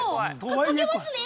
かけますね。